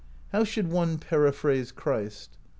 "How should one periphrase Christ?